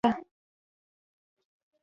توکوګاوا کورنۍ له لوري اداره کېده.